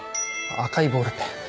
赤いボールペン。